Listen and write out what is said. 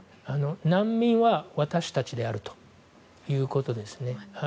難民は私たちであるということです。